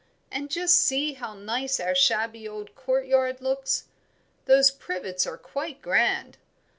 And just see how nice our shabby old courtyard looks; those privets are quite grand.